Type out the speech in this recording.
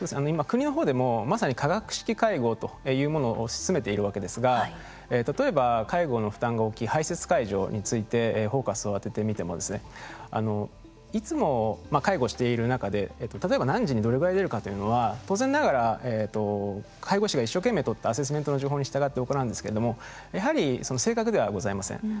今国の方でもまさに科学式介護というものを推し進めているわけですが例えば介護の負担が大きい排せつ介助についてフォーカスを当ててみてもですねいつも介護している中で例えば何時にどれぐらい出るかというのは当然ながら介護士が一生懸命取ったアセスメントの情報に従って行うんですけれどもやはり正確ではございません。